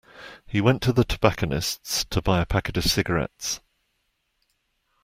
He went to the tobacconists to buy a packet of cigarettes